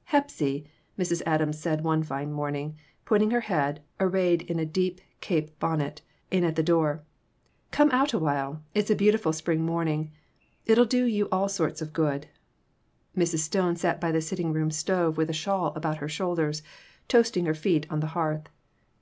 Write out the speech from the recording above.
" Hepsy," Mrs. Adams said one fine morning, putting her head, arrayed in a deep cape bonnet, in at the door, " come out awhile ; it's a beautiful spring morning. It'll do you all sorts of good." Mrs. Stone sat by the sitting room stove with a shawl about her shoulders, toasting her feet on the hearth.